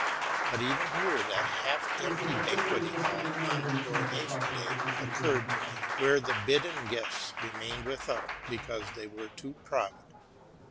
But even here that half empty banqueting hall on the coro nation day occurred to me, where the bidden guests remained without, because they were too proud.